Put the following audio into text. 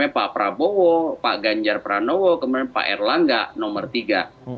pak prabowo pak ganjar pranowo kemudian pak erlangga nomor tiga